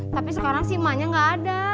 tapi sekarang si emaknya ga ada